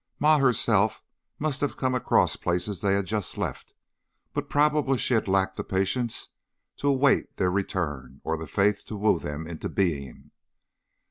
Ma, herself, must have come across places they had just left, but probably she had lacked the patience to await their return or the faith to woo them into being.